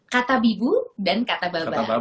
kata bibu dan kata balba